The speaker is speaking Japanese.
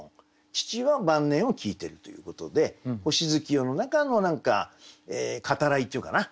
父は晩年を聞いてるということで星月夜の中の何か語らいっていうかな